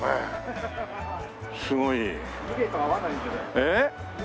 えっ？